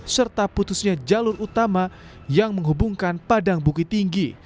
serta putusnya jalur utama yang menghubungkan padang bukit tinggi